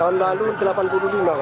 tahun lalu delapan puluh lima